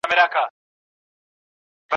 سل او شپېته کلونه